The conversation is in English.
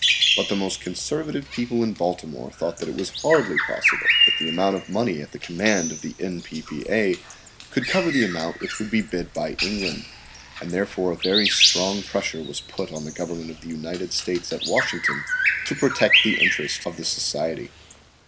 But the most conservative people in Baltimore thought that it was hardly possible that the amount of money at the command of the N.P.P.A. could cover the amount which would be bid by England, and therefore a very strong pressure was put on the Government of the United States at Washington to protect the interests of the society.